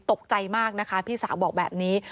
ตกใจมากนะคะพี่สาวบอกแบบนี้